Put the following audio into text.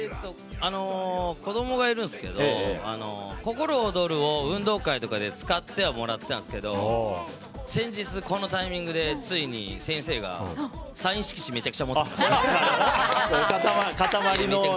子供がいるんですけど「ココロオドル」を運動会とかで使ってはもらってたんですけど先日、このタイミングでついに先生がサイン色紙をめちゃくちゃ持ってきて。